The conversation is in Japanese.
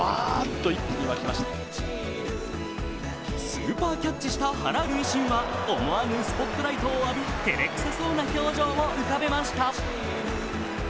スーパーキャッチした原塁審は、思わぬスポットライトを浴び、照れくさそうな表情を浮かべました。